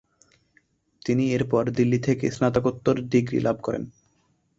তিনি এরপর দিল্লি থেকে স্নাতকোত্তর ডিগ্রি লাভ করেন।